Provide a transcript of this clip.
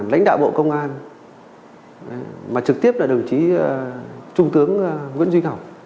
lãnh đạo bộ công an mà trực tiếp là đồng chí trung tướng nguyễn duy ngọc